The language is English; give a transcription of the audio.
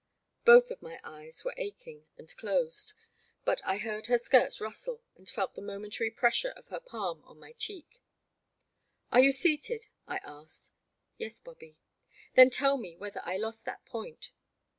" Both of my eyes were aching and closed, but I heard her skirts rustle and felt the momentary pressure of her palm on my cheek. Are you seated? " I asked. *'Yes, Bobby.'' " Then tell me whether I lost that point.'